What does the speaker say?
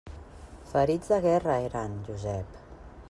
Ferits de guerra, eren, Josep!